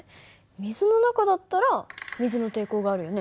水の中だったら水の抵抗があるよね。